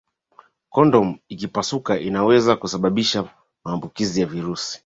kondomu ikipasuka inaweza kusababisha maambukizi ya virusi